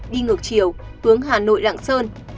đi ngược chiều hướng hà nội lạng sơn